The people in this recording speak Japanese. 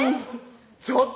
ちょっと！